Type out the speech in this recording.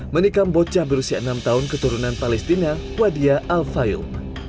menikam bocah berusia enam tahun keturunan palestina wadia al fayum